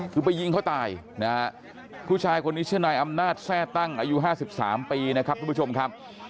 คือไปยิงเขาตายนะฮะผู้ชายคนนี้ชื่อนายอำนาจแทร่ตั้งอายุ๕๓ปีนะครับทุกผู้ชมครับ